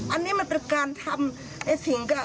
อันนี้มันเป็นการทำสิ่งก็